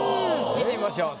聞いてみましょう。